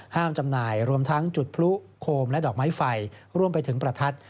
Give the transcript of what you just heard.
จำหน่ายรวมทั้งจุดพลุโคมและดอกไม้ไฟรวมไปถึงประทัด